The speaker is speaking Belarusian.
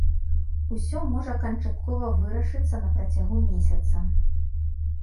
Усё можа канчаткова вырашыцца на працягу месяца.